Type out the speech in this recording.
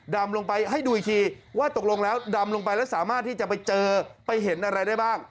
ดำลงไปให้ดูอีกทีว่าตกลงแล้วดำลงไปแล้วสามารถที่จะไปเจอไปเห็นอะไรได้บ้าง